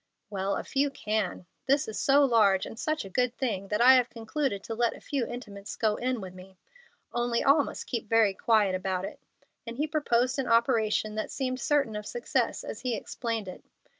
"Well, a few can. This is so large, and such a good thing, that I have concluded to let a few intimates go in with me. Only all must keep very quiet about it;" and he proposed an operation that seemed certain of success as he explained it.